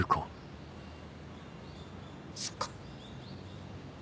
そっか。